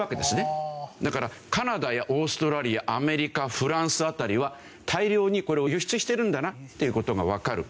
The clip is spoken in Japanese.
だからカナダやオーストラリアアメリカフランス辺りは大量にこれを輸出してるんだなっていう事がわかる。